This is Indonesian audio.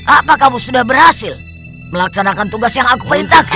apa kamu sudah berhasil melaksanakan tugas yang aku perintahkan